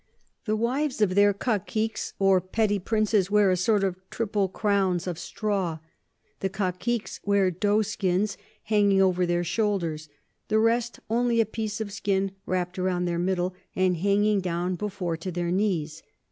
The Wives of their Caciques or petty Princes wear a sort of Triple Crowns of Straw. The Caciques wear Doe Skins hanging over their shoulders; the rest only a piece of a Skin wrap'd about their middle, and hanging down before to their knees.